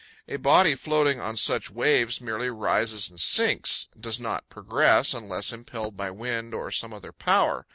A body floating on such waves merely rises and sinks does not progress unless impelled by wind or some other power.